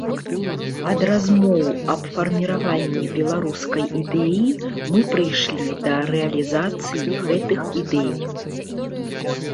Ад размоў аб фарміраванні беларускай ідэі мы прыйшлі да рэалізацыі гэтых ідэй.